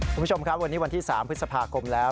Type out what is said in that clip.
คุณผู้ชมครับวันนี้วันที่๓พฤษภาคมแล้ว